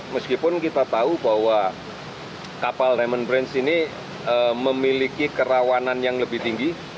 meskipun kita tahu bahwa kapal diamond prince ini memiliki kerawanan yang lebih tinggi